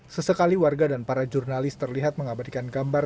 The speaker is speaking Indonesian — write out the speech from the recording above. sesekali warga dan para jurnalis terlihat mengabadikan gambar